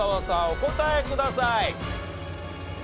お答えください。